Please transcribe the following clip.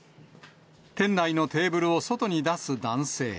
店内のテーブルを外に出す男性。